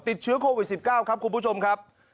ติดเชื้อโควิด๑๙ครับคุณผู้ชมครับ